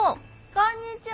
こんにちは。